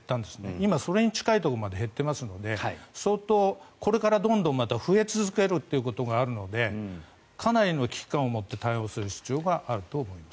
今、それに近いところまで減っていますので相当、これからどんどん増え続けるということがあるのでかなりの危機感を持って対応する必要があると思います。